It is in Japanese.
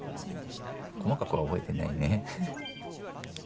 細かくは覚えてないね